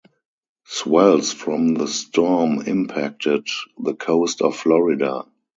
Swells from the storm impacted the coast of Florida.